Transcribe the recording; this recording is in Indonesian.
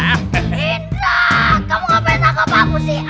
indra kamu ngapain takap aku sih